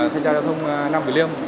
thay trai giao thông nam tử liêm